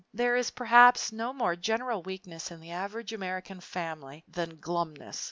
There is perhaps no more general weakness in the average American family than glumness!